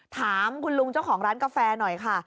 ถามคุณลุงเจ้าของร้านกาแฟหน่อยค่ะ